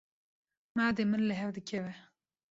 Madê min li hev dikeve.